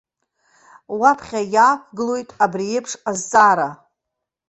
Уаԥхьа иаақәгылоит абри еиԥш азҵаара.